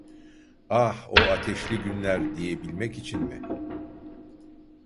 "Ah, o ateşli günler!’ diyebilmek için mi?